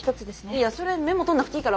いやそれメモ取んなくていいから。